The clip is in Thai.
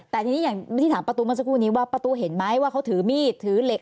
แต่ทีนี้อย่างที่ถามประตูเมื่อสักครู่นี้ว่าประตูเห็นไหมว่าเขาถือมีดถือเหล็ก